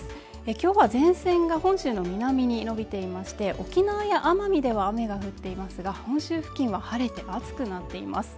今日は前線が本州の南に延びていまして沖縄や奄美では雨が降っていますが本州付近は晴れて暑くなっています。